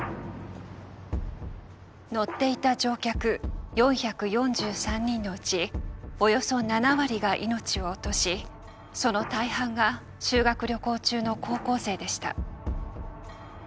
乗っていた乗客４４３人のうちおよそ７割が命を落としその大半が修学旅行中の高校生でした。